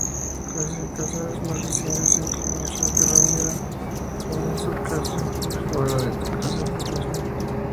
Clasificaciones más recientes incluyen Schwagerinoidea en la subclase Fusulinana de la clase Fusulinata.